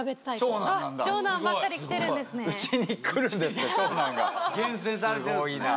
うちに来るんですね